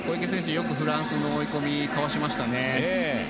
よくフランス選手の追い込みかわしましたね。